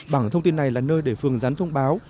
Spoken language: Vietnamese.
bảng thông tin này là nơi để phường gián thông báo